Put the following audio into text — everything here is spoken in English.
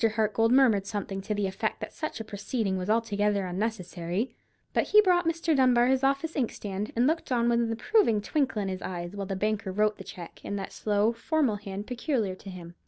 Hartgold murmured something to the effect that such a proceeding was altogether unnecessary; but he brought Mr. Dunbar his office inkstand, and looked on with an approving twinkle of his eyes while the banker wrote the cheque, in that slow, formal hand peculiar to him.